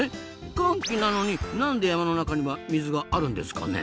乾季なのになんで山の中には水があるんですかね？